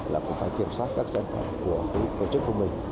là cũng phải kiểm soát các sản phẩm của tổ chức của mình